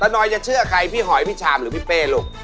นอยจะเชื่อใครพี่หอยพี่ชามหรือพี่เป้ลูก